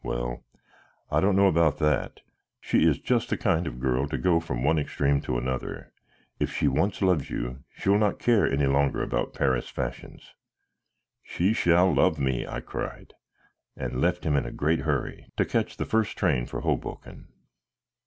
Well, I don't know about that; she is just the kind of a girl to go from one extreme to another. If she once loves you she will not care any longer about Paris fashions." "She shall love me," I cried, and left him in a great hurry, to catch the first train for Hoboken.